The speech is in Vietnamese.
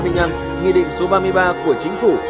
nghị định số ba mươi ba của chính phủ